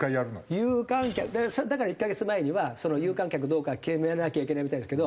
有観客だから１カ月前にはその有観客どうか決めなきゃいけないみたいですけど。